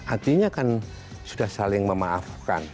artinya kan sudah saling memaafkan